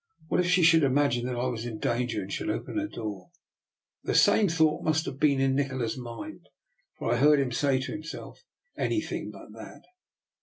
What if she should imagine that I was in danger and should open her door? The same thought must have been in Nikola's mind, for I heard him say to himself —" Anything but that."